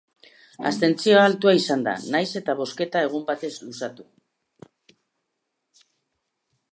Abstentzioa altua izan da, nahiz eta bozketa egun batez luzatu.